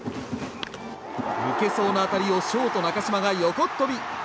抜けそうな当たりをショートが横っ飛び。